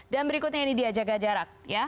dan berikutnya ini dia jaga jarak